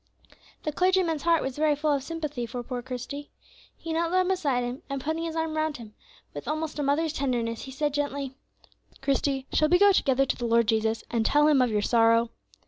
The clergyman's heart was very full of sympathy for poor Christie. He knelt down beside him, and putting his arm round him, with almost a mother's tenderness, he said gently, "Christie, shall we go together to the Lord Jesus, and tell him of your sorrow?"